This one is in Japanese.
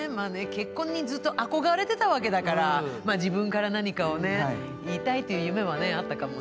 結婚にずっと憧れてたわけだからまあ自分から何かをね言いたいって夢はねあったかもね。